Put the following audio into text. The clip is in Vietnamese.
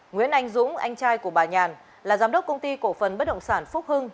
nguyễn anh dũng anh trai của bà nhàn là giám đốc công ty cổ phần bất động sản phúc hưng